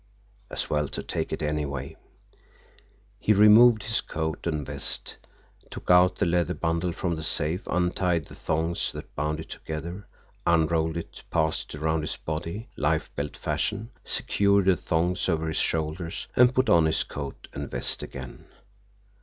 As well to take it anyway. He removed his coat and vest, took out the leather bundle from the safe, untied the thongs that bound it together, unrolled it, passed it around his body, life belt fashion, secured the thongs over his shoulders, and put on his coat and vest again.